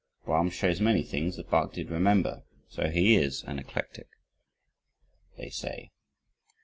Brahms shows many things that Bach did remember, so he is an eclectic, they say.